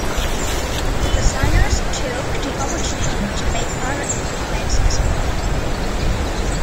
The designers took the opportunity to make other improvements as well.